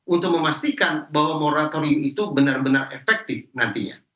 untuk memastikan bahwa moratorium itu benar benar efektif nantinya